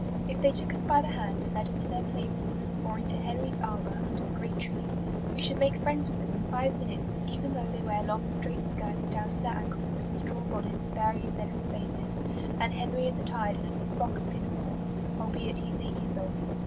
If they took us by the hand and led us to their playroom, or into "Henry's arbour" under the great trees, we should make friends with them in five minutes, even though they wear long straight skirts down to their ankles and straw bonnets burying their little faces, and Henry is attired in a frock and pinafore, albeit he is eight years old.